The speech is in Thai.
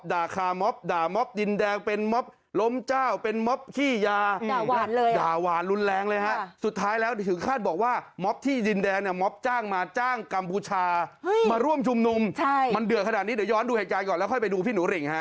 เดี๋ยวย้อนดูเหตุจารย์ก่อนแล้วค่อยไปดูพี่หนูริ่งฮะ